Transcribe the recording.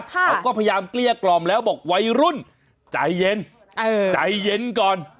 เขาก็พยายามเกลี้ยกล่อมแล้วบอกวัยรุ่นใจเย็นใจเย็นก่อน